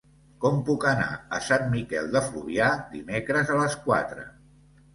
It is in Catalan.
Com puc anar a Sant Miquel de Fluvià dimecres a les quatre?